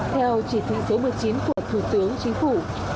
theo chỉ thị số một mươi chín của thủ tướng chính phủ